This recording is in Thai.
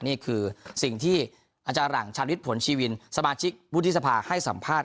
นี่คือสิ่งที่